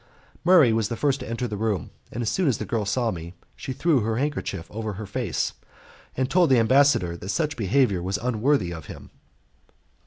Murray was the first to enter the room. As soon as the girl saw me, she threw her handkerchief over her face, and told the ambassador that such behaviour was unworthy of him.